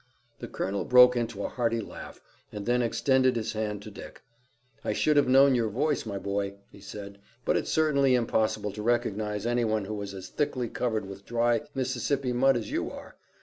The colonel broke into a hearty laugh, and then extended his hand to Dick. "I should have known your voice, my boy," he said, "but it's certainly impossible to recognize any one who is as thickly covered with dry Mississippi mud as you are.